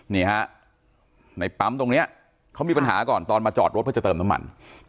นี่ฮะในปั๊มตรงนี้เขามีปัญหาก่อนตอนมาจอดรถเพื่อจะเติมน้ำมัน